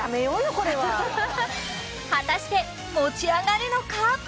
これは果たして持ち上がるのか？